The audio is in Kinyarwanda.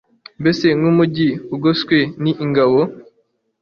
mbese nk'umugi ugoswe n'ingabo